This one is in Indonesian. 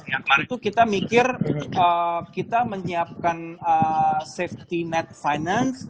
yang kemarin itu kita mikir kita menyiapkan safety net finance